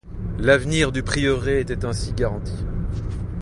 L’avenir du prieuré était ainsi garanti.